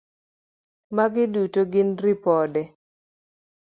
Magi duto gin ripode.